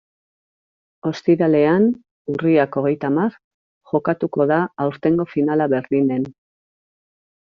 Ostiralean, urriak hogeita hamar, jokatuko da aurtengo finala Berlinen.